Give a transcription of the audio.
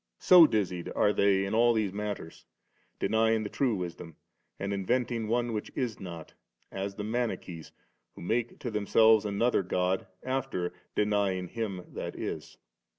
So dizzied' are they in all these matters, denying the true Wisdom, and inventing one which is not, as the Manichees who mskt to themselves another God, after denying Him that is.